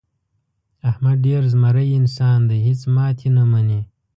احمد ډېر زمری انسان دی. هېڅ ماتې نه مني.